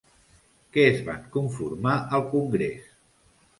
Què es van conformar al congrés?